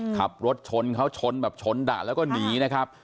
ขับรถชนเขาชนแบบชนดะแล้วก็หนีนะครับ